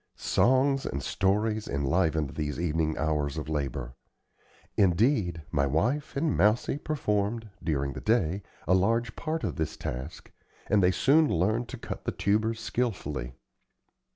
Songs and stories enlivened these evening hours of labor. Indeed, my wife and Mousie performed, during the day, a large part of this task, and they soon learned to cut the tubers skilfully.